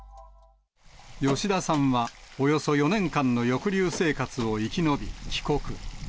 吉田さんはおよそ４年間の抑留生活を生き延び、帰国。